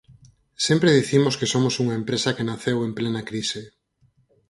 Sempre dicimos que somos unha empresa que naceu en plena crise.